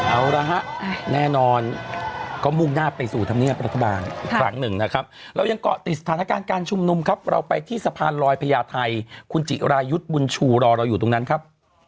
เอาละฮะแน่นอนก็มุ่งหน้าไปสู่ธรรมเนียบรัฐบาลอีกครั้งหนึ่งนะครับเรายังเกาะติดสถานการณ์การชุมนุมครับเราไปที่สะพานลอยพญาไทยคุณจิรายุทธ์บุญชูรอเราอยู่ตรงนั้นครับ